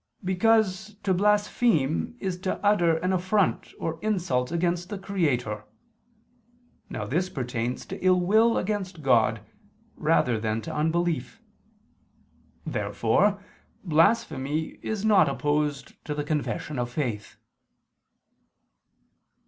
Because to blaspheme is to utter an affront or insult against the Creator. Now this pertains to ill will against God rather than to unbelief. Therefore blasphemy is not opposed to the confession of faith.